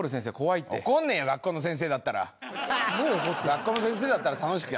学校の先生だったら楽しくやってたよ。